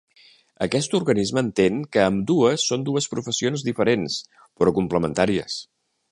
Aquest organisme entén que ambdues són dues professions diferents però complementàries.